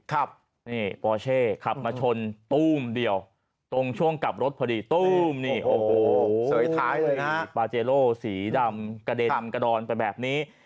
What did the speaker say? นี่ปอเช่ขับมาชนตู้มเดียวตรงช่วงกลับรถพอดีตู้มนี่